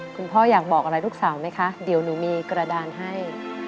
พ่ออยากบอกอะไรลูกสาวไหมคะเดี๋ยวหนูมีกระดานให้